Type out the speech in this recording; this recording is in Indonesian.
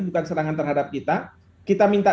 bukan serangan terhadap kita kita minta